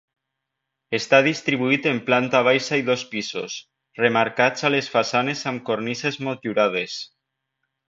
Està distribuït en planta baixa i dos pisos, remarcats a les façanes amb cornises motllurades.